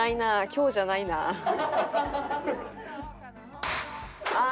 今日じゃないなあ。